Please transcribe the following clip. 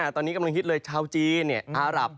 ตอนนี้กำลังฮิตเลยชาวจีนอารับ